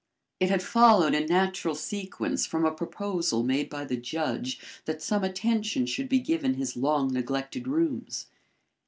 It had followed in natural sequence from a proposal made by the judge that some attention should be given his long neglected rooms.